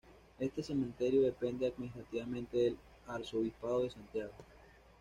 Este cementerio depende administrativamente del arzobispado de Santiago.